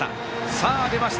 さあ出ました。